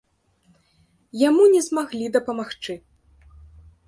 Яму не змаглі дапамагчы.